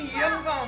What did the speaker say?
ah diam kamu